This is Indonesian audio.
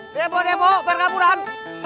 debo debo berkaburan